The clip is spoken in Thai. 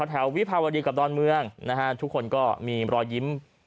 วิภาวดีกับดอนเมืองนะฮะทุกคนก็มีรอยยิ้ม